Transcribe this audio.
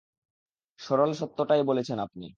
সরল সত্যটাই বলেছেন আপনি।